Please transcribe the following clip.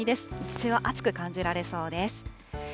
日中は暑く感じられそうです。